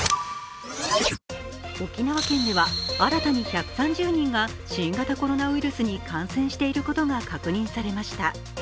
沖縄県では新たに１３０人が新型コロナウイルスに感染していることが確認されました。